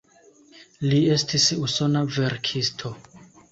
Li estis usona verkisto.